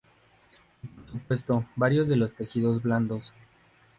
Y por supuesto, varios de los tejidos blandos.